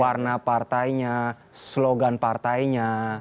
warna partainya slogan partainya